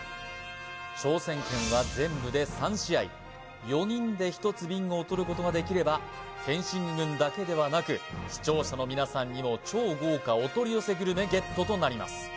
挑戦権は全部で３試合４人で１つビンゴをとることができればフェンシング軍だけではなく視聴者の皆さんにも超豪華お取り寄せグルメＧＥＴとなります